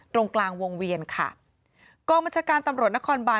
ตรงกลางวงเวียนค่ะกองบัญชาการตำรวจนครบาน